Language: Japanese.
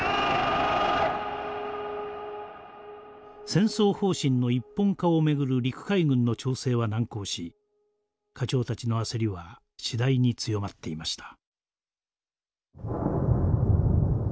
戦争方針の一本化を巡る陸海軍の調整は難航し課長たちの焦りは次第に強まっていました。